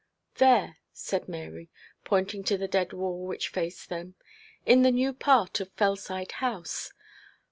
'There,' said Mary, pointing to the dead wall which faced them. 'In the new part of Fellside House.